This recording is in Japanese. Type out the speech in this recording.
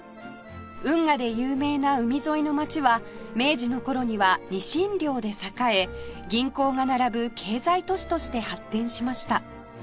運河で有名な海沿いの街は明治の頃にはニシン漁で栄え銀行が並ぶ経済都市として発展しました